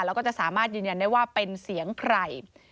แล้วก็จะสามารถยืนยันได้ว่าเป็นเสียงใคร